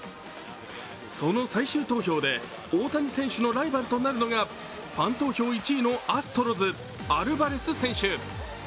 その最終投票で大谷選手のライバルとなるのがファン投票１位のアストロズ・アルバレス選手。